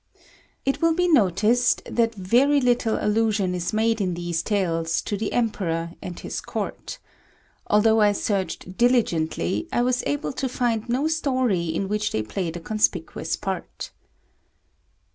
It will be noticed that very little allusion is made in these Tales to the Emperor and his Court. Although I searched diligently, I was able to find no story in which they played a conspicuous part.